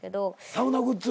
サウナグッズ？